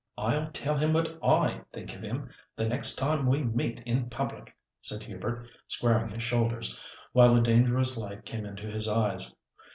"I'll tell him what I think of him, the next time we meet in public," said Hubert, squaring his shoulders, while a dangerous light came into his eyes.